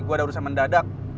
gue udah urusan mendadak